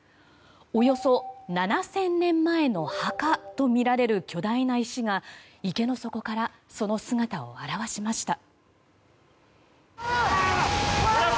およそ７０００年前の墓とみられる巨大な石が池の底からその姿を現しました。